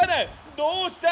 どうした？